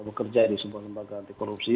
bekerja di sebuah lembaga anti korupsi